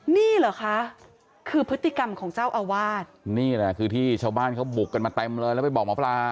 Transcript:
นี่เหรอคะคือพฤติกรรมของเจ้าอาวาสนี่แหละคือที่ชาวบ้านเขาบุกกันมาเต็มเลยแล้วไปบอกหมอปลา